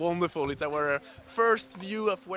dan artinya kita harus berisiko terlalu lumayan